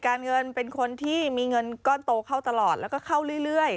การเงินเป็นคนที่มีเงินก้อนโตเข้าตลอดแล้วก็เข้าเรื่อย